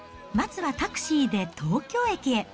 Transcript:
まずはタクシーで東京駅へ。